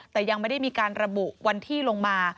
แต่ยังไม่ได้มีการระบุวันที่ลงมา